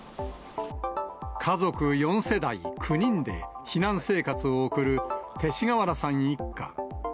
家族４世代、９人で避難生活を送る鉄地河原さん一家。